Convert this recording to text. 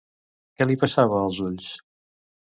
Què li passava als ulls?